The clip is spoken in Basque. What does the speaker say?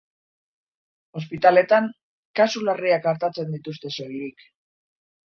Ospitaleetan, kasu larriak artatzen dituzte soilik.